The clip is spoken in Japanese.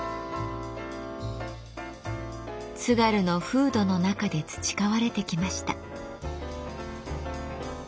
津軽の風土の中で培われてきました。